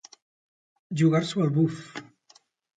Jugar-s'ho al buf.